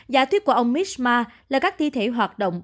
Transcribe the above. giả thuyết của ông mismar là các ti thể hoạt động